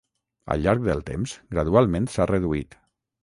Al llarg del temps gradualment s'ha reduït.